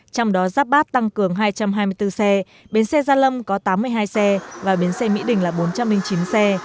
trong đó giáp bát tăng cường hai trăm hai mươi bốn xe bến xe gia lâm có tám mươi hai xe và bến xe mỹ đình là bốn trăm linh chín xe